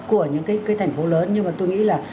của những cái thành phố lớn nhưng mà tôi nghĩ là